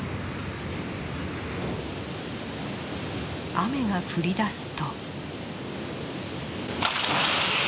雨が降りだすと。